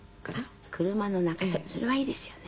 それはいいですよね。